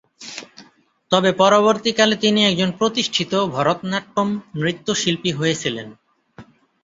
তবে পরবর্তীকালে তিনি একজন প্রতিষ্ঠিত ভরতনাট্যম নৃত্যশিল্পী হয়েছিলেন।